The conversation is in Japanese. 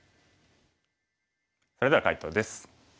それでは解答です。